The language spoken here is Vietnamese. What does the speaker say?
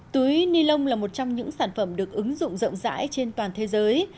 túi ni lông là một trong những sản phẩm được ứng dụng rộng rãi trên toàn thế giới